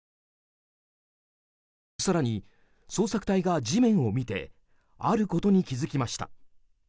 更に捜索隊が地面を見てあることに気づきました。